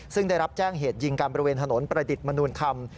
ซึ่งได้รับแจ้งเหตุยิงการบริเวณถนนประดิษฐ์มนุนธรรม